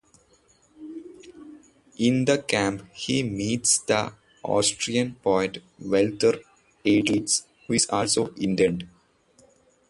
In the camp he meets the Austrian poet Walther Eidlitz, who is also interned.